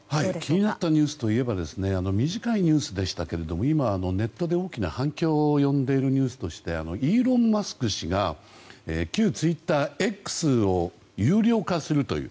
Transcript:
気になったニュースといえば短いニュースでしたけども今、ネットで大きな反響を呼んでいるニュースとしてイーロン・マスク氏が旧ツイッター「Ｘ」を有料化するという。